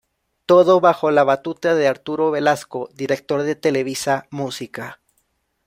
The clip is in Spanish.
Todo bajo la batuta de Arturo Velasco, Director de Televisa Música.